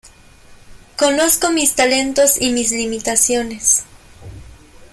Conozco mis talentos y mis limitaciones.